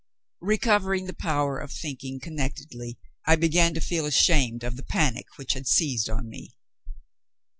Recovering the power of thinking connectedly, I began to feel ashamed of the panic which had seized on me.